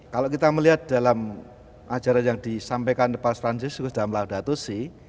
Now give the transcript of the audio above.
kalau kita melihat dalam ajaran yang disampaikan pak francis dhamla dhatusi